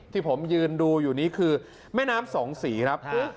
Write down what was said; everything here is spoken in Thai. ที่ผมยืนดูอยู่นี้คือแม่น้ำสองสีครับ